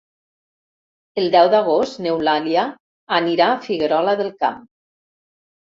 El deu d'agost n'Eulàlia anirà a Figuerola del Camp.